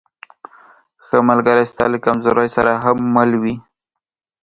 ښه ملګری ستا له کمزورۍ سره هم مل وي.